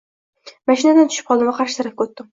Mashinadan tushib qoldim va qarshi tarafga oʻtdim.